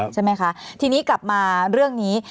ใช่ไหมคะทีนี้กลับมาเรื่องนี้